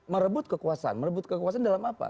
merebut kekuasaan merebut kekuasaan dalam apa